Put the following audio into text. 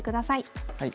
はい。